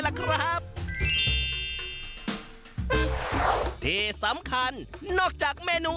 โรงโต้งคืออะไร